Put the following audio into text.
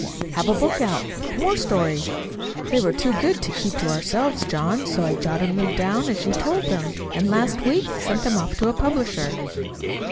"Have a book out war stories. They were too good to keep to ourselves, John, so I jotted them down as you told them, and last week I sent them off to a publisher."